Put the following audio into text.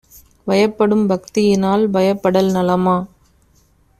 வயப்படும் பக்தியினால் பயப்படல் நலமா?